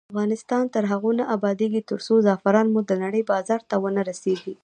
افغانستان تر هغو نه ابادیږي، ترڅو زعفران مو د نړۍ بازار ته ونه رسیږي.